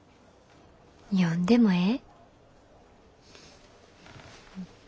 読んでもええ？